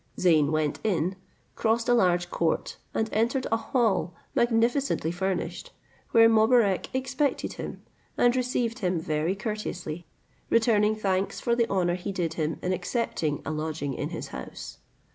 Zeyn went in, crossed a large court, and entered a hall magnificently furnished, where Mobarec expected him, and received him very courteously, returning thanks for the honour he did him in accepting a lodging in his house.